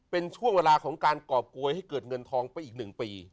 เป็นช่วงเวลาของการกรอบโกยให้เกิดเงินทองไปอีก๑ปี